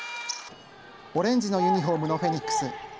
オレンジのユニホームのフェニックス。